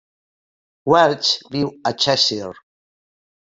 Welch viu a Cheshire.